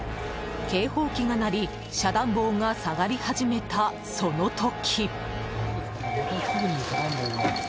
警報機が鳴り遮断棒が下がり始めた、その時。